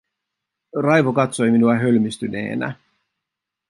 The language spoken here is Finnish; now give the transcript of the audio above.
Raivo katsoi minua hölmistyneenä.